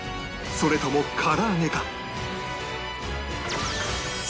それともから揚げか？